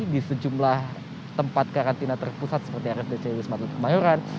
di sejumlah tempat karantina terpusat seperti rsdc wisma atlet kemayoran